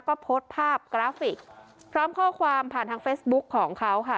ก็โพสต์ภาพกราฟิกพร้อมข้อความผ่านทางเฟซบุ๊คของเขาค่ะ